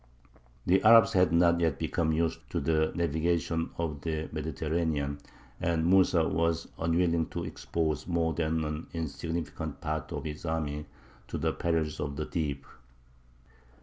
The Arabs had not yet become used to the navigation of the Mediterranean, and Mūsa was unwilling to expose more than an insignificant part of his army to the perils of the deep.